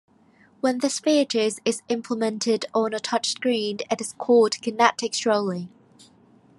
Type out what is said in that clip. When this feature is implemented on a touchscreen it is called "kinetic scrolling".